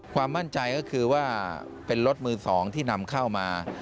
ความมั่นใจก็คือว่าเป็นรถมือ๒ที่นำเข้ามา